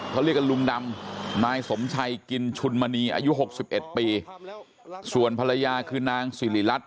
เขาเรียกกันลุงดำนายสมชัยกินชุนมณีอายุ๖๑ปีส่วนภรรยาคือนางสิริรัตน